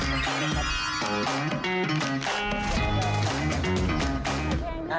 โอเคค่ะ